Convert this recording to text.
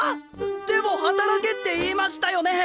でも働けって言いましたよね！？